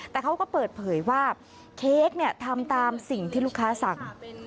แต่เขาก็เปิดเผยว่าเค้กทำตามสิ่งที่ลูกค้าสั่ง